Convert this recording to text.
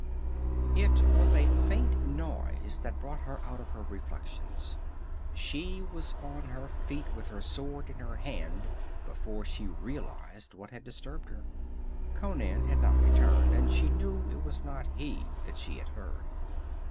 It was a faint noise that brought her out of her reflections. She was on her feet with her sword in her hand before she realized what had disturbed her. Conan had not returned, and she knew it was not he that she had heard.